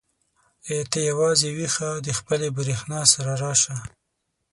ای ته یوازې ويښه د خپلې برېښنا سره راشه.